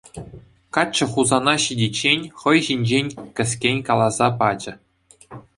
Каччӑ Хусана ҫитиччен хӑй ҫинчен кӗскен каласа пачӗ.